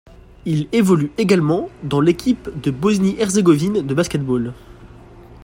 Il évolue également dans l'équipe de Bosnie-Herzégovine de basket-ball.